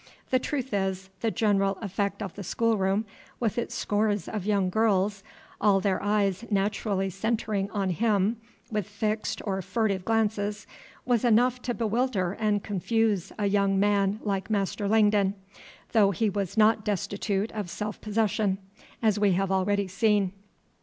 The truth is, the general effect of the schoolroom, with its scores of young girls, all their eyes naturally centring on him with fixed or furtive glances, was enough to bewilder and confuse a young man like Master Langdon, though he was not destitute of self possession, as we have already seen.